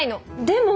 でも。